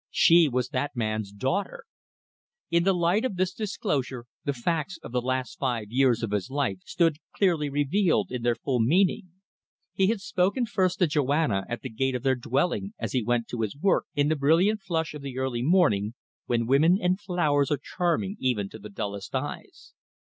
She was that man's daughter! In the light of this disclosure the facts of the last five years of his life stood clearly revealed in their full meaning. He had spoken first to Joanna at the gate of their dwelling as he went to his work in the brilliant flush of the early morning, when women and flowers are charming even to the dullest eyes.